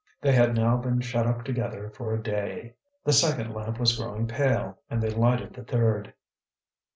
They had now been shut up together for a day. The second lamp was growing pale, and they lighted the third.